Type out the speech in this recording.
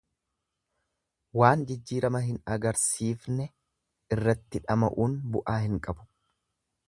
Waan jijjiirama hin agarsiisne irratti dhama'uun bu'aa hin qabu.